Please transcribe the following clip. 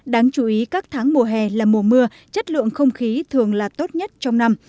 đáng chú ý các tháng mùa hè là mùa mưa chất lượng không khí thường là tốt nhất trong năm